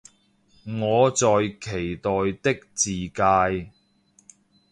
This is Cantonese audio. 我在期待的自介